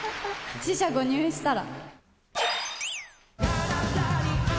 四捨五入したら。